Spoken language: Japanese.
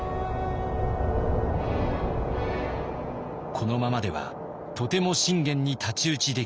このままではとても信玄に太刀打ちできない。